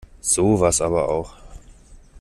Sowas aber auch!